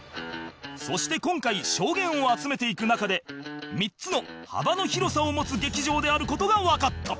そして今回証言を集めていく中で３つの幅の広さを持つ劇場である事がわかった